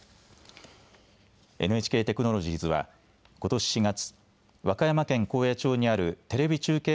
ＮＨＫテクノロジーズはことし４月、和歌山県高野町にあるテレビ中継